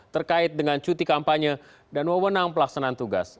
terkait dengan cuti kampanye dan wawenang pelaksanaan tugas